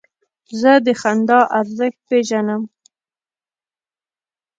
زه د خندا ارزښت پېژنم.